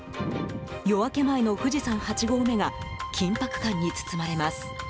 夜明け前の富士山八合目が緊迫感に包まれます。